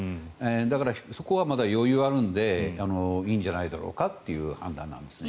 だからそこはまだ余裕があるのでいいんじゃないだろうかって判断なんですね。